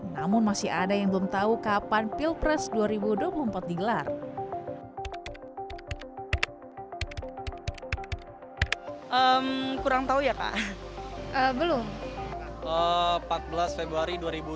namun masih ada yang belum tahu kapan pilpres dua ribu dua puluh empat digelar